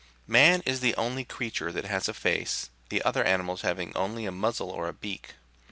Man is the only creature that has a face, the other animals having only a muzzle or a beak.